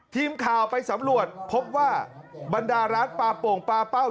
ทีมข่าวไปสำรวจพบว่าบรรดาร้านปลาโป่งปลาเป้า